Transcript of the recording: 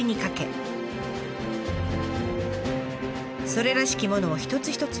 それらしきものを一つ一つ